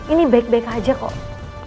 ini baik baik aja kok